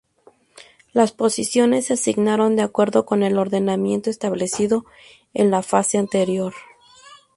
Las posiciones se asignaron de acuerdo con el ordenamiento establecido en la fase anterior.